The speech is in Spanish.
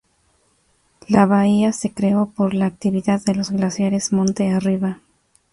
La bahía se creó por la actividad de los glaciares monte arriba.